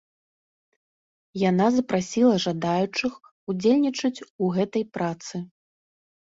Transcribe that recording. Яна запрасіла жадаючых удзельнічаць у гэтай працы.